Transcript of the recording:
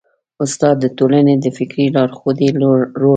استاد د ټولنې د فکري لارښودۍ رول لري.